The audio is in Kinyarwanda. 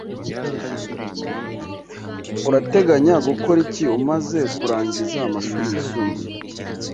Urateganya gukora iki umaze kurangiza amashuri yisumbuye?